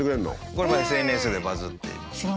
これもＳＮＳでバズって。